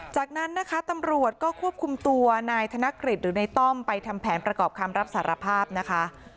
จากนั้นนะคะตำรวจก็ควบคุมตัวนายธนกฤษหรือในต้อมไปทำแผนประกอบคำรับสารภาพนะคะ